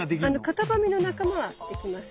カタバミの仲間はできます。